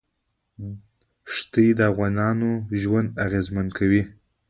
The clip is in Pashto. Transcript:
ښتې د افغانانو ژوند اغېزمن کوي.